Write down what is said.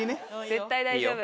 絶対大丈夫。